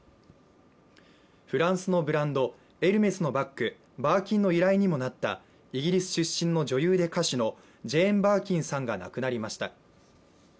フランスのブランドエルメスのバッグバーキンの由来にもなったイギリス出身の女優で歌手のジェーン・バーキンさんが亡くなりました。